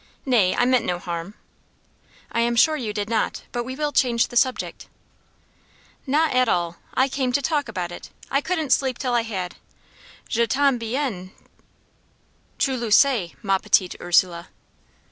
"Nay, I meant no harm." "I am sure you did not; but we will change the subject." "Not at all. I came to talk about it. I couldn't sleep till I had. Je t'aime bien, tu le sais, ma petite Ursule."